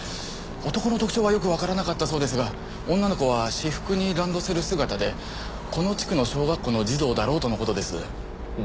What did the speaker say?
男の特徴はよくわからなかったそうですが女の子は私服にランドセル姿でこの地区の小学校の児童だろうとの事です。